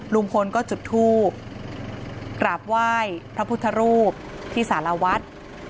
ลุงพลก็จุดทูบกราบไหว้พระพุทธรูปที่สารวัฒน์